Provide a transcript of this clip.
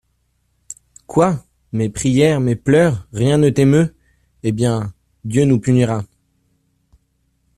Quoi ! mes prières, mes pleurs, rien ne t'émeut ! Eh bien ! Dieu nous punira.